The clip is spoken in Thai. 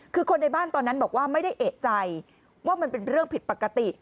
คือคนในบ้านตอนนั้นบอกว่าไม่ได้เอกใจว่ามันเป็นเรื่องผิดปกติ